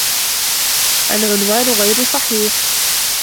العنوان غير صحيح.